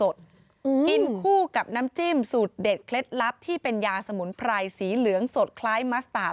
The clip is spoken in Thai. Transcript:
กินคู่กับน้ำจิ้มสูตรเด็ดเคล็ดลับที่เป็นยาสมุนไพรสีเหลืองสดคล้ายมัสตาร์ท